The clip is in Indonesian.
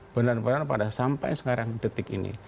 benar benar pada sampai sekarang detik ini